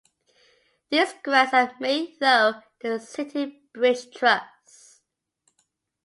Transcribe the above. These grants are made though the City Bridge Trust.